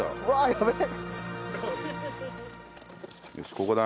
やべえ。